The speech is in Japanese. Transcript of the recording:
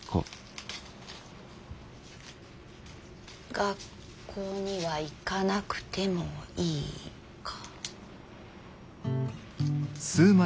学校には行かなくてもいいか。